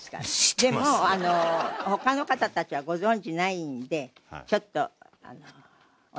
でも他の方たちはご存じないんでちょっとお出しします。